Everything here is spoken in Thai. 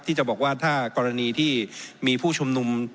ที่จะบอกว่าถ้ากรณีที่มีผู้ชุมนุม